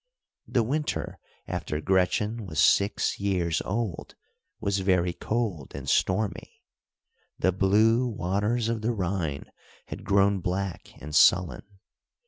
The winter after Gretchen was six years old, was very cold and stormy. The blue waters of the Rhine had grown black and sullen.